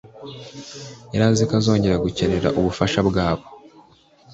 yari azi ko azongera gukenera ubufasha bwabo